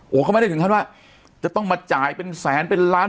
โอ้โหเขาไม่ได้ถึงขั้นว่าจะต้องมาจ่ายเป็นแสนเป็นล้าน